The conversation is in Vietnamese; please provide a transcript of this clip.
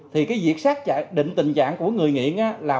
thì cái việc xác định tình trạng của người nghiện là phải là cái ngành ma túy